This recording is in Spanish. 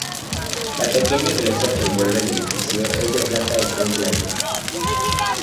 La pequeña iglesia que envuelve el edificio es de planta de cruz latina.